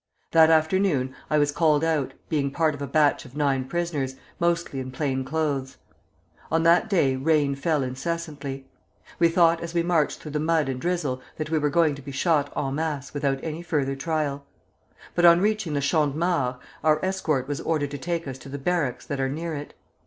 That afternoon I was called out, being part of a batch of nine prisoners, mostly in plain clothes. On that day rain fell incessantly. We thought as we marched through the mud and drizzle that we were going to be shot en masse without any further trial; but on reaching the Champ de Mars, our escort was ordered to take us to the barracks that are near it.